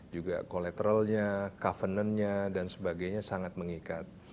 juga collateral nya covenant nya dan sebagainya sangat mengikat